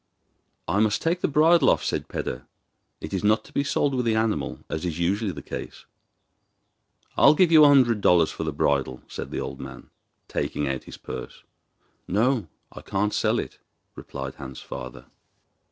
'I must take the bridle off,' said Peder. 'It is not to be sold with the animal as is usually the case.' 'I'll give you a hundred dollars for the bridle,' said the old man, taking out his purse. 'No, I can't sell it,' replied Hans's father.